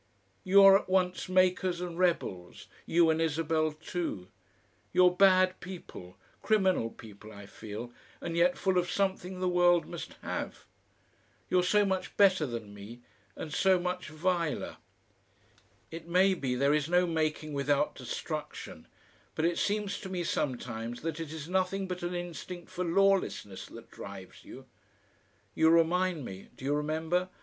You are at once makers and rebels, you and Isabel too. You're bad people criminal people, I feel, and yet full of something the world must have. You're so much better than me, and so much viler. It may be there is no making without destruction, but it seems to me sometimes that it is nothing but an instinct for lawlessness that drives you. You remind me do you remember?